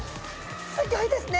すギョいですね！